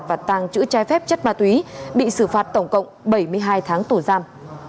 và tàng chữ trai phép chất ma túy bị xử phạt tổng cộng bảy mươi hai tháng tổ giam